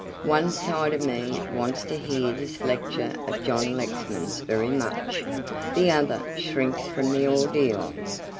One side of me wants to hear this lecture of John Lexman's very much, the other shrinks from the ordeal."